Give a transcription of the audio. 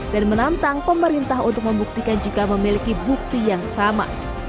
dan menantang pemerintah untuk membuktikan jika memiliki bukti yang sama